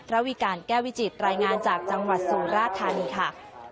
ระวิการแก้วิจิตรายงานจากจังหวัดสุราธานีค่ะ